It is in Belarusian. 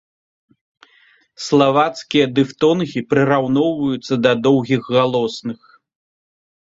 Славацкія дыфтонгі прыраўноўваюцца да доўгіх галосных.